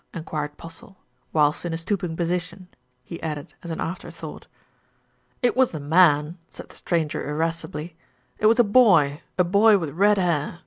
en quired Postle, "whilst in a stooping position," he added as an afterthought. "It wasn't a man," said the stranger irascibly. "It was a boy, a boy with red hair.